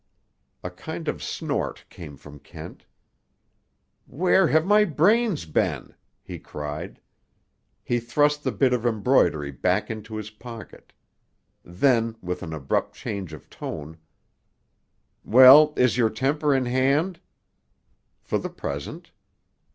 A kind of snort came from Kent. "Where have my brains been!" he cried. He thrust the bit of embroidery back into his pocket. Then, with an abrupt change of tone: "Well, is your temper in hand?" "For the present."